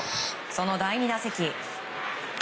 その第２打席。